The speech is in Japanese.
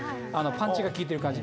パンチが効いてる感じ。